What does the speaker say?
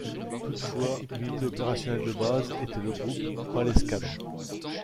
Toutefois, l’unité opérationnelle de base était le groupe pas l’escadre.